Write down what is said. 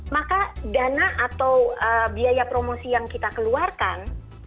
maka dana atau biaya promosi yang kita keluarkan